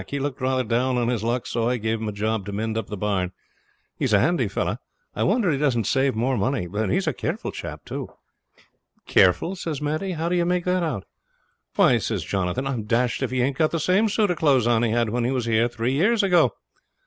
He looked rather down on his luck, so I gave him a job to mend up the barn. He's a handy fellow. I wonder he doesn't save more money. He's a careful chap, too.' 'Careful,' says Maddie. 'How do ye make that out?' 'Why,' says Jonathan, 'I'm dashed if he ain't got the same suit of clothes on he had when he was here three years ago.'